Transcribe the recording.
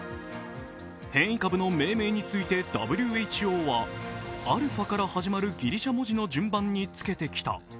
変異株の命名についてＷＨＯはアルファから始まるギリシャ文字の順番に付けてきた。